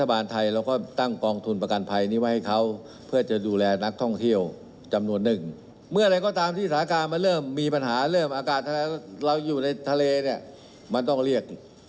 อาจจะปลอดภัยเดี๋ยวจะดูแลให้ปลอดภัย